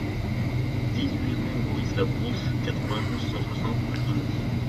dix-huit rue Maurice Labrousse, quatre-vingt-douze, cent soixante, Antony